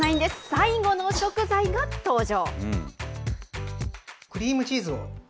最後の食材が登場。